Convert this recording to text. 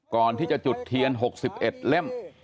ก่อนที่จะจุดเทียน๖๑เล่ม